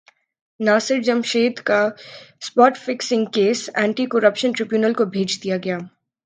ناصر جمشید کا spot fixing case anti corruption tribunal کو بھیج دیاگیا